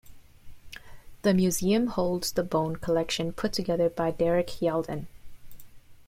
The museum holds the bone collection put together by Derek Yalden.